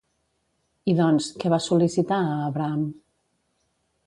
I doncs, què va sol·licitar a Abraham?